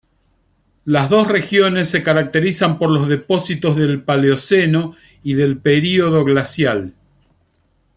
Las dos regiones se caracterizan por los depósitos del Paleoceno y del periodo glacial.